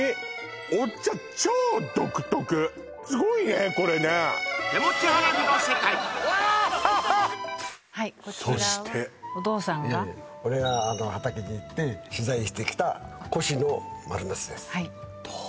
お茶すごいねこれねそしてこちらはお義父さんが俺が畑に行って取材してきた越の丸茄子です